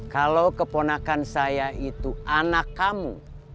kalau keponakan saya itu anak kamu